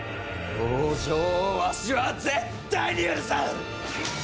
北条をわしは絶対に許さん！